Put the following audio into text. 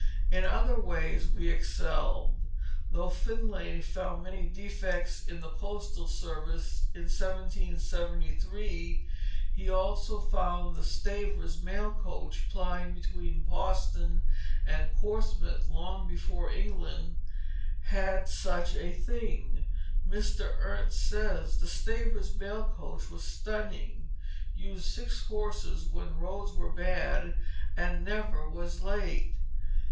In other ways we excelled. Though Finlay found many defects in the postal service in 1773, he also found the Stavers mail coach plying between Boston and Portsmouth long before England had such a thing. Mr. Ernst says: "The Stavers mail coach was stunning; used six horses when roads were bad, and never was late.